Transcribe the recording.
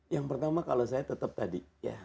yang pertama kalau saya tetap tadi